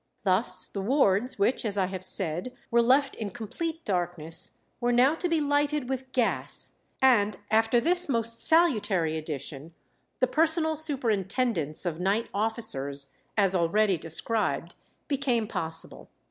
Thus the wards, which, as I have said, were left in complete darkness, were now to be lighted with gas; and after this most salutary addition, the personal superintendence of night officers, as already described, became possible.